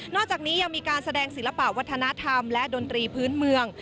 อกจากนี้ยังมีการแสดงศิลปะวัฒนธรรมและดนตรีพื้นเมือง